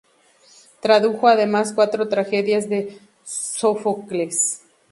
Tradujo además cuatro tragedias de Sófocles.